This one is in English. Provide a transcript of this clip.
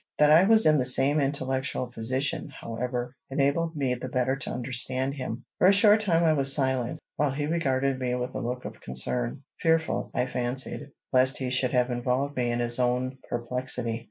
That I was in the same intellectual position, however, enabled me the better to understand him. For a short time I was silent, while he regarded me with a look of concern, fearful, I fancied, lest he should have involved me in his own perplexity.